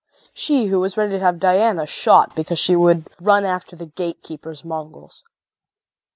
She who was ready to have Diana shot because she would run after the gatekeeper's mongrels.